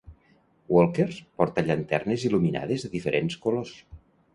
Walkers porta llanternes il·luminades de diferents colors.